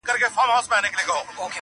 چاته ولیکم بیتونه پر چا وکړمه عرضونه!.